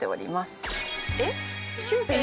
えっ？